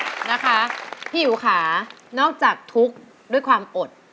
นะคะพี่อิ๋วค่ะนอกจากทุกข์ด้วยความอด